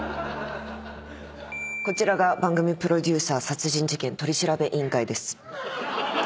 こちらが番組プロデューサー殺人事件取り調べ委員会です。